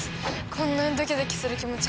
こんなにドキドキする気持ち